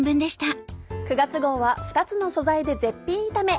９月号は「２つの素材で絶品炒め」。